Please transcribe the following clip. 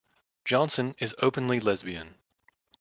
Johnson is openly lesbian.